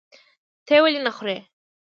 ته یې ولې نخورې؟